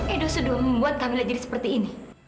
edo sudah membuat kamila jadi seperti ini